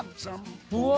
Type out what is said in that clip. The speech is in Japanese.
うわ！